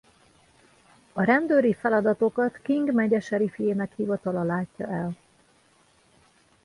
A rendőri feladatokat King megye seriffjének hivatala látja el.